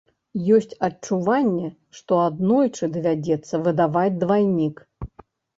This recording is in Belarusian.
Ёсць адчуванне, што аднойчы давядзецца выдаваць двайнік.